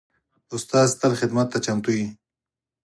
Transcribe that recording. استاد تل خدمت ته چمتو وي.